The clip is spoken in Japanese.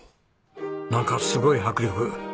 なんかすごい迫力。